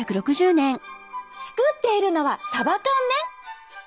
作っているのはサバ缶ね！